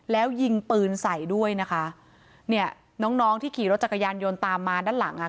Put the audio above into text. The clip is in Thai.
แล้วยิงปืนใส่ด้วยนะคะเนี่ยน้องน้องที่ขี่รถจักรยานยนต์ตามมาด้านหลังอ่ะ